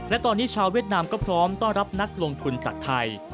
และตอนนี้ชาวเวียดนามก็พร้อมต้อนรับนักลงทุนจากไทย